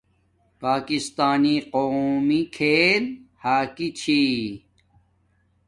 پاکستانݵ قومی کھیل ھاکی چھی